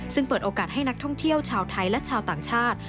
ซึ่งเปิดโอกาสให้นักท่องเที่ยวชาวไทยและชาวต่างชาติ